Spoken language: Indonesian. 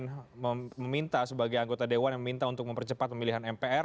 ada yang meminta sebagai anggota dewan untuk mempercepat pemilihan mpr